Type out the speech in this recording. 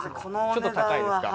ちょっと高いですか？